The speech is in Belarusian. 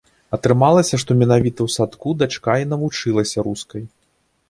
Атрымалася, што менавіта ў садку дачка і навучылася рускай.